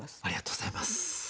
ありがとうございます。